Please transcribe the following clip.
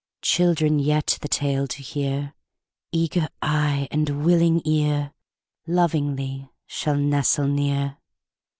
Children yet, the tale to hear, Eager eye and willing ear, Lovingly shall nestle near.